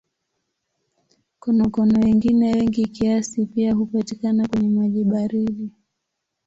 Konokono wengine wengi kiasi pia hupatikana kwenye maji baridi.